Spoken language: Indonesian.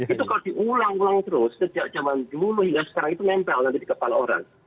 itu kalau diulang ulang terus sejak zaman dulu hingga sekarang itu nempel nanti di kepala orang